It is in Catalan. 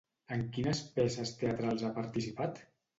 En quines peces teatrals ha participat?